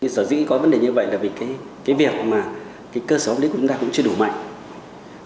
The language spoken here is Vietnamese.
sở dĩ có vấn đề như vậy là vì cái việc mà cái cơ sở pháp lý của chúng ta cũng chưa đủ mạnh